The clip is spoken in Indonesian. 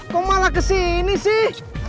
kok malah kesini sih